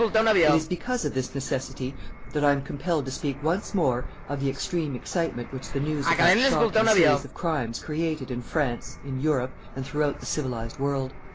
It is because of this necessity that I am compelled to speak once more of the extreme excitement which the news of that shocking series of crimes created in France, in Europe and throughout the civilized world.